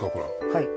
はい。